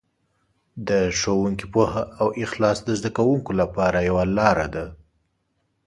د ښوونکي پوهه او اخلاص د زده کوونکو لپاره یوه لاره ده.